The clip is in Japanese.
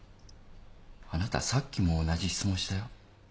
あなたさっきも同じ質問したよ。